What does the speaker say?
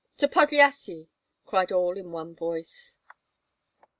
to Podlyasye!" cried all in one voice.